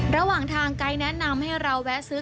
ระหว่างทางไกด์แนะนำให้เราแวะซื้อ